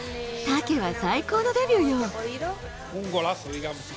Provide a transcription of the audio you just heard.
タケは最高のデビューよ。